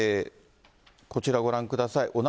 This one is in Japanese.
こちらご覧ください。